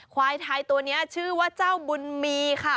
ควายไทยตัวนี้ชื่อว่าเจ้าบุญมีค่ะ